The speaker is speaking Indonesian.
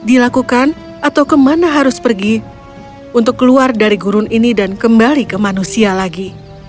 dilakukan atau kemana harus pergi untuk keluar dari gurun ini dan kembali ke manusia lagi